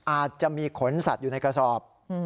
อาจจะมีขนสัตว์อยู่ในกระสอบ